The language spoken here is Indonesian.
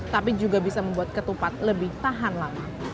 tapi juga bisa membuat ketupat lebih tahan lama